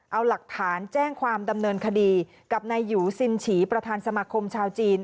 เอาหลักฐานแจ้งความดำเนินคดีกับนายหยูซินฉีประธานสมาคมชาวจีน